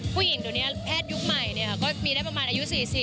ผู้หญิงตัวเนี่ยแพทยุคใหม่เนี่ยก็มีได้ประมาณอายุ๔๐